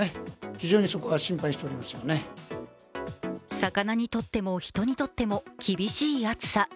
魚にとっても人にとっても厳しい暑さ。